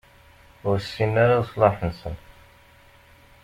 Ur ssinen ara leṣlaḥ-nsen.